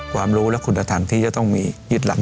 ความรู้และคุณธรรมที่จะต้องมียึดหลัก